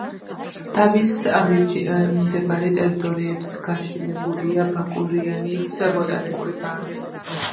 დაბის მიმდებარე ტერიტორიებზე გაშენებულია ბაკურიანის ბოტანიკური ბაღი.